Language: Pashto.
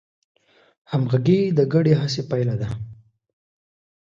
همغږي د ګډې هڅې پایله ده.